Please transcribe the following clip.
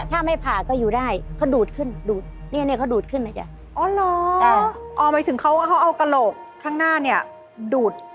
ถ้าไม่ผ่าก็อยู่ได้เขาดูดขึ้นดูด